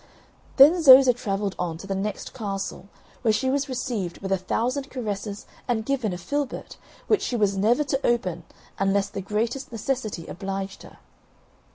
Then Zoza travelled on to the next castle, where she was received with a thousand caresses and given a filbert, which she was never to open, unless the greatest necessity obliged her.